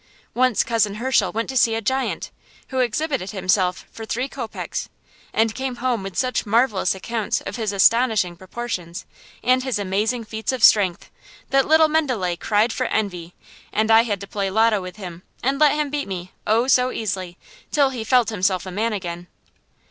Once Cousin Hirshel went to see a giant, who exhibited himself for three kopecks, and came home with such marvellous accounts of his astonishing proportions, and his amazing feats of strength, that little Mendele cried for envy, and I had to play lotto with him and let him beat me oh, so easily! till he felt himself a man again.